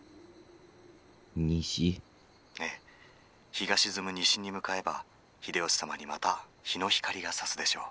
「ええ日が沈む西に向かえば秀吉様にまた日の光がさすでしょう」。